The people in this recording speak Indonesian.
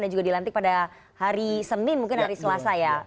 dan juga dilantik pada hari senin mungkin hari selasa ya